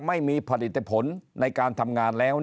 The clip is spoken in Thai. ไม่มีผลิตผลในการทำงานแล้ว